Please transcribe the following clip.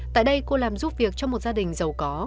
tại đây cô làm giúp việc cho một gia đình giàu có